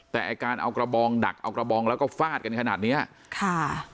แต่ไอ้การเอากระบองดักเอากระบองแล้วก็ฟาดกันขนาดเนี้ยค่ะ